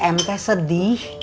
em teh sedih